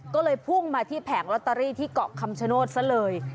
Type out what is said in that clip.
ก็เลยพุ่งมาที่แผงลอตเตอรี่ที่เกาะคำชโนธซะเลย